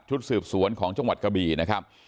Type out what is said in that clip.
สืบสวนของจังหวัดกะบี่นะครับ